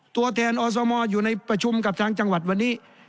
ตัวแทนอสมอยู่ในประชุมกับทางจังหวัดวันนี้